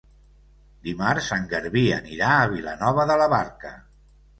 Dimarts en Garbí anirà a Vilanova de la Barca.